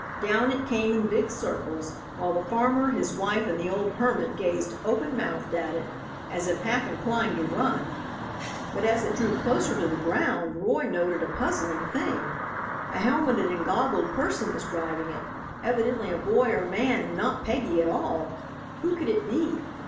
Down it came in big circles, while the farmer, his wife and the old hermit gazed open mouthed at it, as if half inclined to run. But as it drew closer to the ground Roy noted a puzzling thing. A helmeted and goggled person was driving it, evidently a boy or man and not Peggy at all. Who could it be?